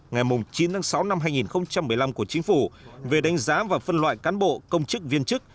ngày chín tháng sáu năm hai nghìn một mươi năm của chính phủ về đánh giá và phân loại cán bộ công chức viên chức